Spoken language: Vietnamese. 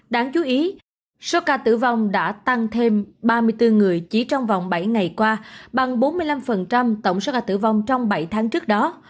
đáng chú ý số ca tử vong đã tăng thêm ba mươi bốn người chỉ trong vòng bảy ngày qua bằng bốn mươi năm tổng số ca tử vong trong bảy tháng trước đó